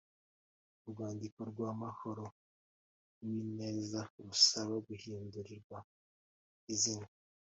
Urwandiko rwa Uwamahoro uwineza rusaba guhindurirwa izina